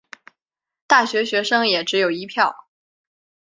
大学学生也只有一票